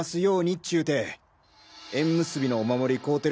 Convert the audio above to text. っちゅうて縁結びのお守り買うてる